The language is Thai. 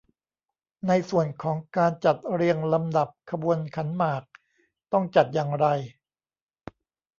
ในส่วนของการจัดเรียงลำดับขบวนขันหมากต้องจัดอย่างไร